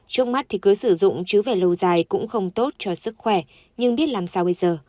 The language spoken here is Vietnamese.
trước mắt thì cứ sử dụng chứ về lâu dài cũng không tốt cho sức khỏe nhưng biết làm sao bây giờ